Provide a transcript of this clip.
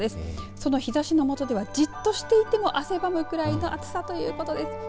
その日ざしの下ではじっとしていても汗ばむくらいの暑さということです。